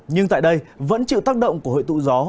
nhưng tại đây vẫn chịu tác động của hội tụ gió